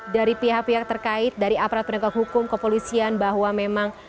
dari pihak pihak terkait dari aparat penegak hukum kepolisian bahwa memang